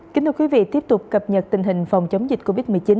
kính thưa quý vị tiếp tục cập nhật tình hình phòng chống dịch covid một mươi chín